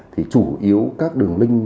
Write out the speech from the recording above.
thì chủ yếu các đường linh